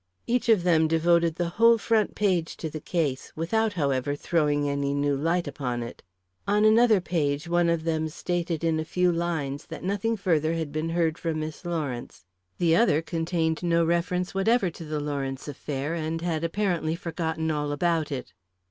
Each of them devoted the whole front page to the case, without, however, throwing any new light upon it. On another page, one of them stated in a few lines that nothing further had been heard from Miss Lawrence; the other contained no reference whatever to the Lawrence affair, and had apparently forgotten all about it.